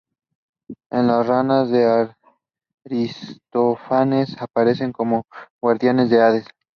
En las "Ranas" de Aristófanes aparecen como guardianas del Hades.